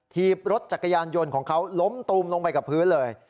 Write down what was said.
ถีบรถจักรยานยนต์ของเขาล้มตูมลงไปกับพื้นเลย